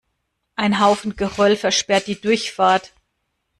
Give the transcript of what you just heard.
Ein Haufen Geröll versperrt die Durchfahrt.